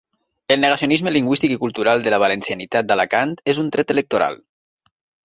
El negacionisme lingüístic i cultural de la valencianitat d'Alacant és un tret electoral.